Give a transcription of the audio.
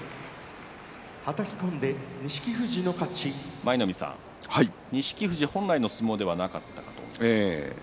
舞の海さん、錦富士本来の相撲じゃなかったと思うんですが。